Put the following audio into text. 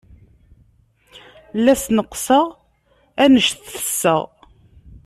La sneɣseɣ anect tesseɣ.